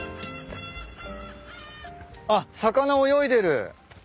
あっ魚泳いでる。